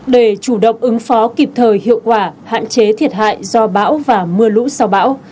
để chủ động ứng phó kịp thời hiệu quả hạn chế thiệt hại do bão và mưa lũ sau bão